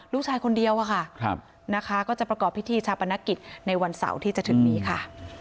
ลูกชายคนเดียวอะค่ะนะคะก็จะประกอบพิธีชาปนกิจในวันเสาร์ที่จะถึงนี้ค่ะ